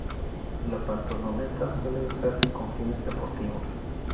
La pantaloneta suele usarse con fines deportivos.